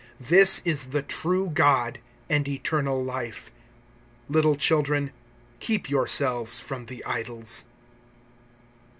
This is the true God, and eternal life. (21)Little children, keep yourselves from the idols.